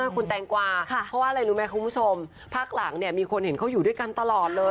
คุณแตงกวาเพราะว่าอะไรรู้ไหมคุณผู้ชมภาคหลังเนี่ยมีคนเห็นเขาอยู่ด้วยกันตลอดเลย